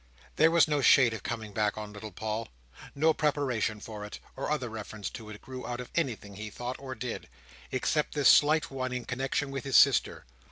There was no shade of coming back on little Paul; no preparation for it, or other reference to it, grew out of anything he thought or did, except this slight one in connexion with his sister.